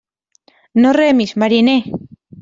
No remis, mariner.